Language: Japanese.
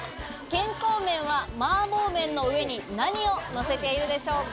健康麺は麻婆麺の上に何をのせているでしょうか？